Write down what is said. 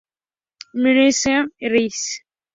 Milestone S.r.l.